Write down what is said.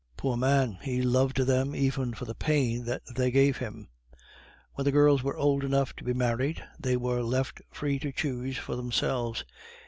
Poor man! he loved them even for the pain that they gave him. When the girls were old enough to be married, they were left free to choose for themselves.